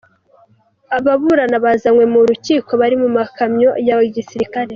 Ababurana bazanywe mu rukiko bari mu makamyo ya gisirikare.